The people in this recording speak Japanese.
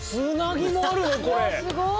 すごい！